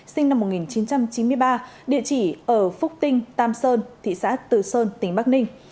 sinh năm một nghìn chín trăm chín mươi ba địa chỉ ở phúc tinh tam sơn thị xã từ sơn tỉnh bắc ninh